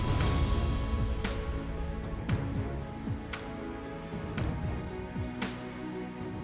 kepada pendatang di jakarta kemudian kembali ke kota yang lebih dekat